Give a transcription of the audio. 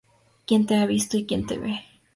Quién te ha visto y quién te ve